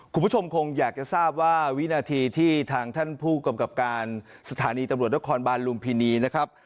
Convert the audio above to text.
คุณผู้ชมคงอยากจะทราบว่าวินาทีที่ทางท่านผู้กำกับการสถานีตำรวจนครบานลุมพินีนะครับ